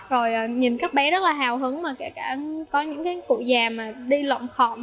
rồi nhìn các bé rất là hào hứng kể cả có những cụ già đi lộn khộn